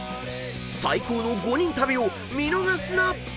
［最高の５人旅を見逃すな！］